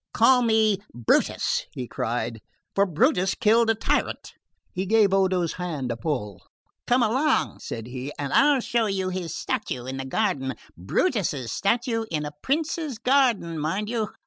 "Call me Brutus," he cried, "for Brutus killed a tyrant." He gave Odo's hand a pull. "Come along," said he, "and I'll show you his statue in the garden Brutus's statue in a prince's garden, mind you!"